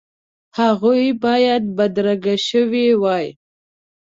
هغوی باید بدرګه شوي وای.